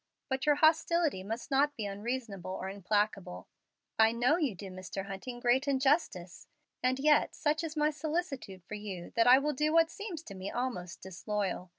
But your hostility must not be unreasonable or implacable. I know you do Mr. Hunting great injustice. And yet such is my solicitude for you that I will do what seems to me almost disloyal.